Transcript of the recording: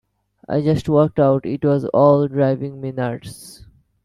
I just walked out, it was all driving me nuts.